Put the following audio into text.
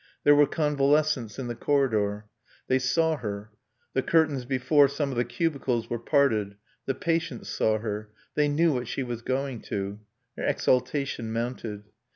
There were convalescents in the corridor. They saw her. The curtains before some of the cubicles were parted; the patients saw her; they knew what she was going to. Her exaltation mounted.